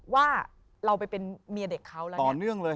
ว่าเราไปเป็นเมียเด็กเขาแล้วเนี้ย